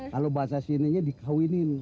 kalau bahasa sininya dikawinin